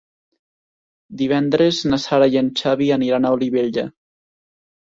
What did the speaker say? Divendres na Sara i en Xavi aniran a Olivella.